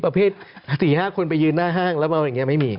ประเภท๔ห้าคนไปยืนหน้าห้างแล้วเอาไงไม่มี